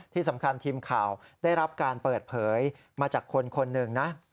ที่สำคัญทีมข่าวได้รับการเปิดเผยมาจากคนหนึ่งนะ